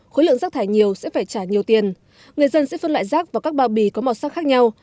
khối lượng rác thải nhiều sẽ phải trả nhiều tiền người dân sẽ phân loại rác vào các bao bì có màu sắc khác nhau